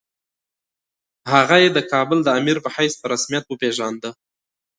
هغه یې د کابل د امیر په حیث په رسمیت وپېژانده.